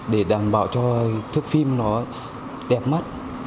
để đảm bảo cho thức phim nó đẹp mắt